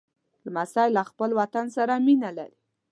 لمسی له خپل وطن سره مینه لري.